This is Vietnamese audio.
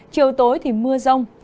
chiều tối thì mưa rông